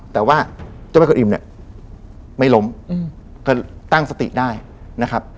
แต่ว่าเจ้าแม่คุณอิ่มเนี่ยไม่ล้มก็ตั้งสติได้นะครับ